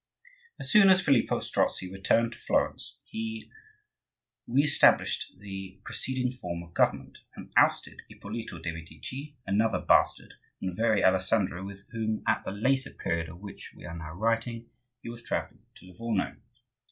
As soon as Filippo Strozzi returned to Florence he re established the preceding form of government and ousted Ippolito de' Medici, another bastard, and the very Alessandro with whom, at the later period of which we are now writing, he was travelling to Livorno.